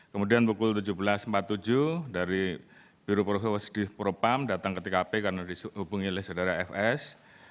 kemudian pukul tujuh belas empat puluh tujuh dari biro profesidif propam datang ke tkp karena dihubungi oleh saudara fs